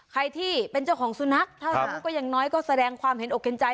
ใครที่เป็นเจ้าของสุนัขถ้าสมมุติก็ยังน้อยก็แสดงความเห็นอกเห็นใจ